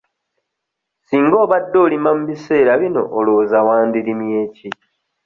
Singa obadde olima mu biseera bino olowooza wandirimye ki?